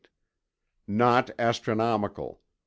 Not astronomical